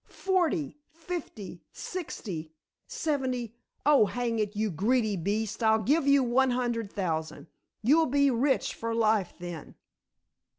"Forty, fifty, sixty, seventy oh, hang it, you greedy beast! I'll give you one hundred thousand. You'd be rich for life then."